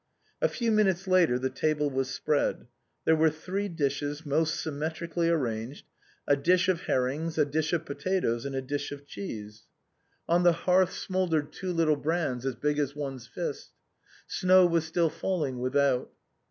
A few minutes later the table was spread. There were three dishes most symmetrically arranged — a dish of her rings, a dish of potatoes, and a dish of cheese. 272 THE BOHEMIANS OF THE LATIN QUARTER. On the hearth smouldered two little brands as big as one's fist. Snow was still falling without.